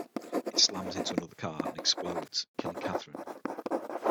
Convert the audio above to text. It slams into another car and explodes, killing Kathryn.